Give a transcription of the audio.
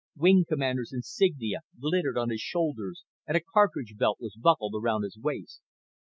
Wing commander's insignia glittered on his shoulders and a cartridge belt was buckled around his waist.